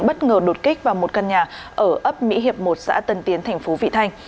bất ngờ đột kích vào một căn nhà ở ấp mỹ hiệp một xã tân tiến tp vị thành